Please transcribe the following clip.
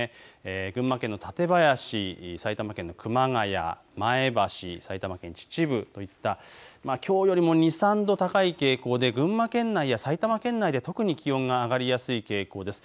群馬県の館林、埼玉県の熊谷、前橋、埼玉県秩父といったきょうよりも２、３度高い傾向で群馬県内や埼玉県内で特に気温が上がりやすい傾向です。